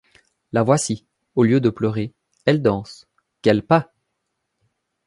La voici : au lieu de pleurer, elle danse ; quels pas !